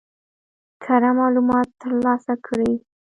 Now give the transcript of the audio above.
کره معلومات ترلاسه کړي.